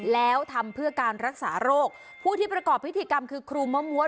แล้วทำเพื่อการรักษาโรคผู้ที่ประกอบพิธีกรรมคือครูมะม้วน